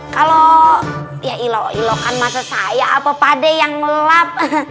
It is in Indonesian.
kalau ya ilok ilokan masa saya apa pade yang ngelap